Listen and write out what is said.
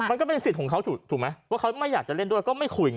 มันก็เป็นสิทธิ์ของเขาถูกไหมว่าเขาไม่อยากจะเล่นด้วยก็ไม่คุยไง